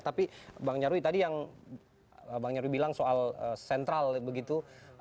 tapi bang nyarwi tadi yang bang nyarwi bilang soal sentral begitu